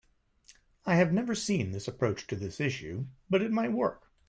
I have never seen this approach to this issue, but it might work.